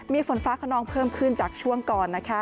มีฝนฟ้าขนองเพิ่มขึ้นจากช่วงก่อนนะคะ